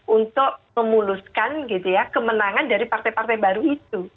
untuk memuluskan gitu ya kemenangan dari partai partai baru itu